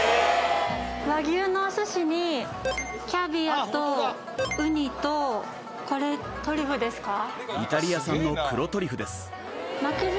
和牛のお寿司にキャビアとウニとこれトリュフですか？